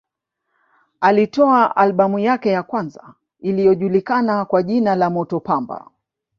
Alitoa albamu yake ya kwanza iliyojulikana kwa jina la Moto Pamba